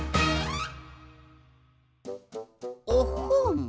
おっほん。